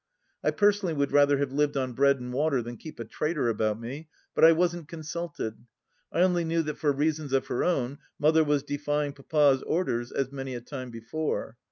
I personally would rather have lived on bread and water than keep a traitor about me, but I wasn't con sulted. I only knew that for reasons of her own Mother was defying Papa's orders, as many a time before.